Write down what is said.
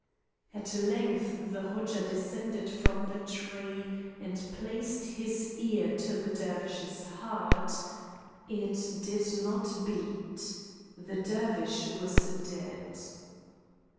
At length the Hodja descended from the tree and placed his ear to the Dervish's heart. It did not beat. The Dervish was dead.